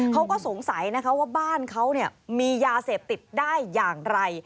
เขาก็สงสัยนะคะว่าบ้านเขามียาเสพติดได้อย่างไร